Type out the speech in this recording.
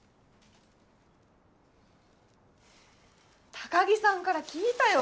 高木さんから聞いたよ